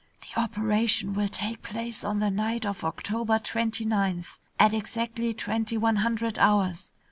"... The operation will take place on the night of October twenty ninth at exactly twenty one hundred hours.